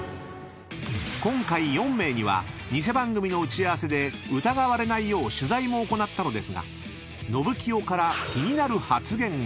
［今回４名には偽番組の打ち合わせで疑われないよう取材も行ったのですがのぶきよから］